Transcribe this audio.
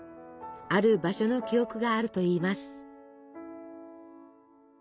ある場所の記憶があるといいます。